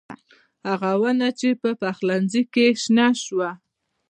هغه ونه چې په پخلنخي کې شنه شوه